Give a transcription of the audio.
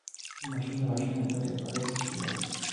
د ماشوم د غاښونو د درد لپاره څه شی ورکړم؟